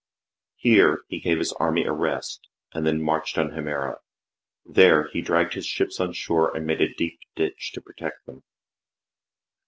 Here he gave his army a rest and then marched on Himera. There he dragged his ships on shore and made a deep ditch to protect them.